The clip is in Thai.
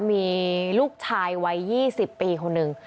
มีลูกชายวัย๒๐ปีคนหนึ่ง